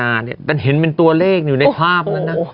ตั้งแต่เห็นเป็นตัวเลขอยู่ในภาพ